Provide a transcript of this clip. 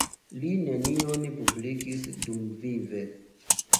Li nenion publikis dumvive.